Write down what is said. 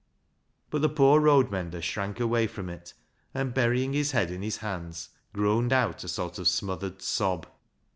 But the poor road mender shrank away from it, and burying his head in his hands, groaned out a sort of smothered sob.